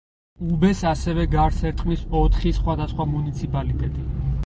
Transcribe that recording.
უბეს ასევე გარს ერტყმის ოთხი სხვა მუნიციპალიტეტი.